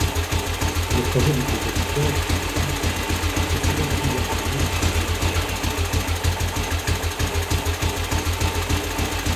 Le projet du compositeur, en revanche, précédait de plusieurs années l'achèvement de la partition.